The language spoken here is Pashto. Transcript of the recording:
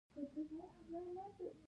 • مینه د اعتماد نښه ده.